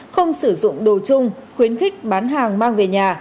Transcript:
không sử dụng đồ chung khuyến khích bán hàng mang về nhà